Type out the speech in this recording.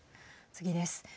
次です。